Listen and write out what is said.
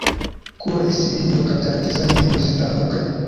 Kuba isi ihinduka byangiza indimi zitandukanye.